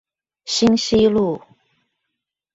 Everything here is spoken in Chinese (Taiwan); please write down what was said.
興西路